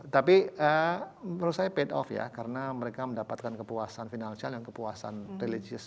tapi menurut saya paid off ya karena mereka mendapatkan kepuasan financial yang kepuasan religious